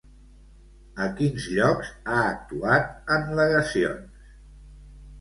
A quins llocs ha actuat en legacions?